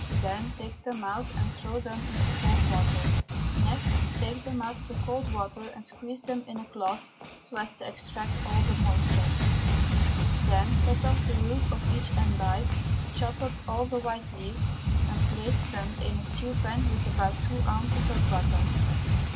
Then take them out and throw them into cold water. Next take them out of the cold water and squeeze them in a cloth so as to extract all the moisture. Then cut off the root of each endive, chop up all the white leaves, and place them in a stew pan with about two ounces of butter.